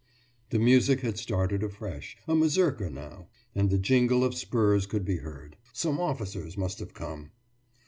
The music had started afresh; a mazurka now. And the jingle of spurs could be heard. Some officers must have come.